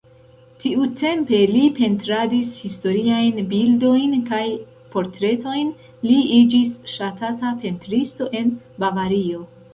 Tiutempe li pentradis historiajn bildojn kaj portretojn, li iĝis ŝatata pentristo en Bavario.